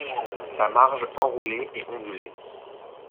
Sa marge enroulée et ondulée.